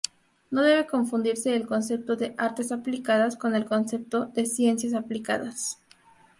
No debe confundirse el concepto de "artes aplicadas" con el concepto de ciencias aplicadas..